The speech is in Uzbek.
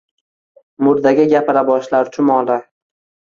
Murdaga gapira boshlar chumoli: